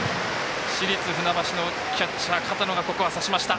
市立船橋のキャッチャー片野がさしました。